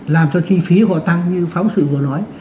làm cho chi phí họ tăng như phóng sự vừa nói